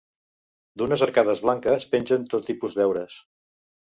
D'unes arcades blanques pengen tot tipus d'heures.